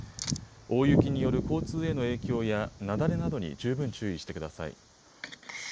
大雪による交通への影響や雪崩などに十分注意してください。